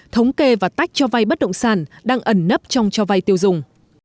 thống kê và tách cho vay bất động sản đang ẩn nấp trong cho vay tiêu dùng